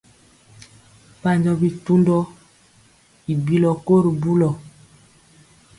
Mpanjɔ bitundɔ i bilɔ ko ri bulɔ.